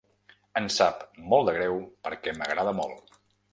Em sap molt de greu perquè m’agrada molt.